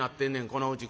このうち。